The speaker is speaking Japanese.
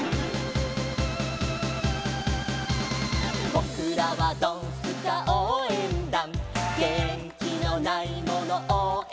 「ぼくらはドンスカおうえんだん」「げんきのないものおうえんだ！！」